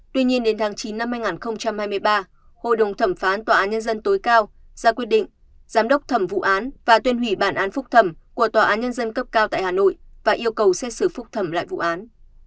tuy nhiên đến tháng chín năm hai nghìn hai mươi ba hội đồng thẩm phán tòa án nhân dân tối cao ra quyết định giám đốc thẩm vụ án và tuyên hủy bản án phúc thẩm của tòa án nhân dân cấp cao tại hà nội và yêu cầu xét xử phúc thẩm lại vụ án